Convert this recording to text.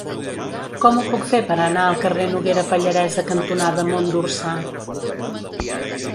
Com ho puc fer per anar al carrer Noguera Pallaresa cantonada Mont d'Orsà?